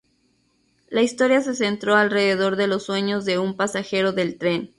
La historia se centró alrededor de los sueños de un pasajero del tren.